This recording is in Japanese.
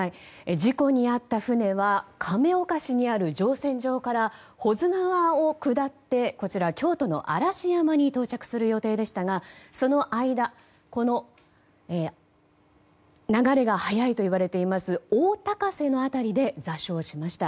事故に遭った船は亀岡市にある乗船場から保津川を下って京都の嵐山に到着する予定でしたがその間、流れが速いといわれている大高瀬の辺りで座礁しました。